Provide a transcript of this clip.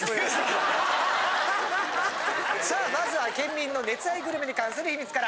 さあまずは県民の熱愛グルメに関する秘密から。